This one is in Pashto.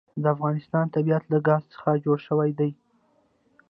د افغانستان طبیعت له ګاز څخه جوړ شوی دی.